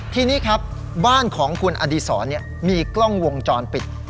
ทีนี้ครับบ้านของคุณอดีศรมีกล้องวงจรปิด